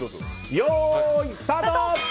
よーいスタート！